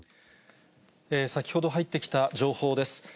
先ほど入ってきた情報です。